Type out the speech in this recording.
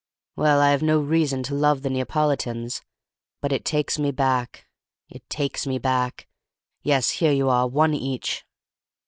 "Well, I have no reason to love the Neapolitans; but it takes me back—it takes me back! Yes, here you are, one each."